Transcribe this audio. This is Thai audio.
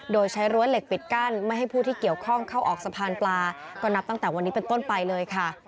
โดยใช้รั้วเหล็กปิดกั้นไม่ให้ผู้ที่เกี่ยวข้องเข้าออกสะพานปลาก็นับตั้งแต่วันนี้เป็นต้นไปเลยค่ะ